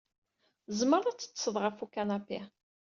Tzemreḍ ad teṭṭseḍ ɣef ukanapi.